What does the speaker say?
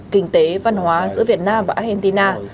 kinh tế văn hóa giữa việt nam và argentina